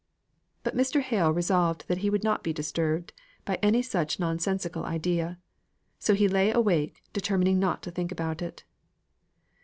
But Mr. Hale resolved that he would not be disturbed by any such nonsensical idea; so he lay awake, determining not to think about it.